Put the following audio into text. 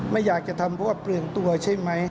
ไม่อยากจะทำเพราะเปลืองตัวใช่ไหม